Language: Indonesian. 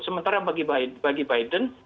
sementara bagi biden